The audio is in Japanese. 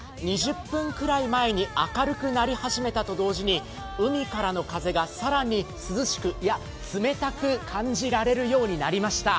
２０分ぐらい前に、明るくなり始めたと同時に、海からの風がさらに涼しく、いや、冷たく感じられるようになりました。